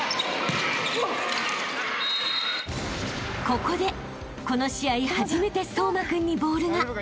［ここでこの試合初めて颯真君にボールが］